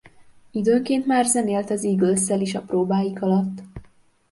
Időnként már zenélt az Eagles-szel is a próbáik alatt.